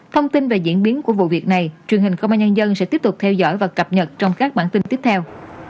thông tin về diễn biến của vụ việc này truyền hình công an nhân dân sẽ tiếp tục theo dõi và cập nhật trong các bản tin tiếp theo